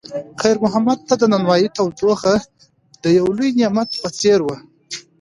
خیر محمد ته د نانوایۍ تودوخه د یو لوی نعمت په څېر وه.